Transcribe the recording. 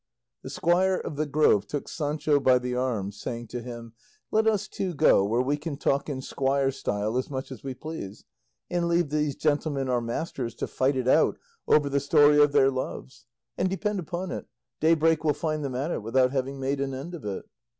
The squire of the Grove took Sancho by the arm, saying to him, "Let us two go where we can talk in squire style as much as we please, and leave these gentlemen our masters to fight it out over the story of their loves; and, depend upon it, daybreak will find them at it without having made an end of it."